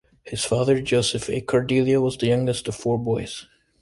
His father, Joseph A. Ciardiello was the youngest of four boys.